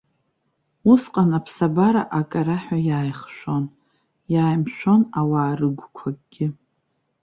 Усҟан аԥсабара акараҳәа иааихшәон, иааимшәон ауаа рыгәқәагьы.